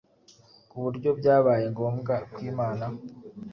ku buryo byabaye ngombwa ko Imana,